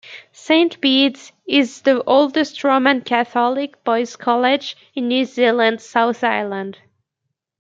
Saint Bede's is the oldest Roman Catholic Boys' College in New Zealand's South Island.